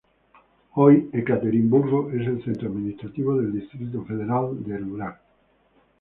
Hoy Ekaterimburgo es el centro administrativo del distrito federal de Ural.